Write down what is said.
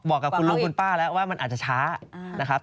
บอกกับคุณลุงคุณป้าแล้วว่ามันอาจจะช้านะครับ